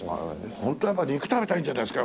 本当はやっぱ肉食べたいんじゃないですか？